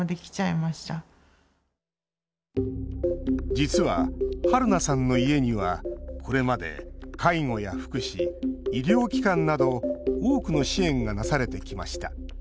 実は、はるなさんの家にはこれまで介護や福祉医療機関など多くの支援がなされてきました。